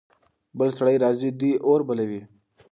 بل سړی راځي. دوی اور بلوي.